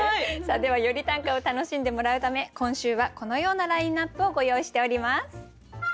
ではより短歌を楽しんでもらうため今週はこのようなラインナップをご用意しております。